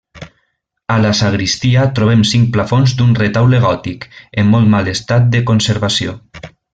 A la sagristia trobem cinc plafons d'un retaule gòtic, en molt mal estat de conservació.